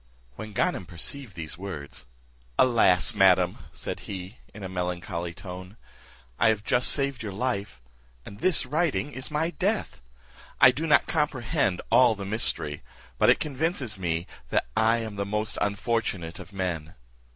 When Ganem perceived these words, "Alas! madam," said he, in a melancholy tone, "I have just saved your life, and this writing is my death! I do not comprehend all the mystery; but it convinces me I am the most unfortunate of men.